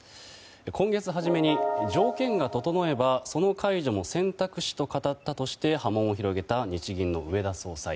今月初めに条件が整えばその解除も選択肢と語ったとして波紋を広げた日銀の植田総裁。